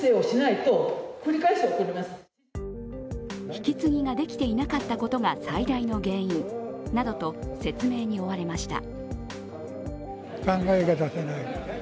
引き継ぎができていなかったことが最大の原因などと説明に追われました。